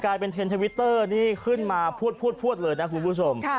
เทรนดทวิตเตอร์นี่ขึ้นมาพวดเลยนะคุณผู้ชม